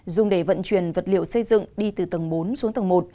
dùng để vận chuyển vật liệu xây dựng đi từ tầng bốn xuống tầng một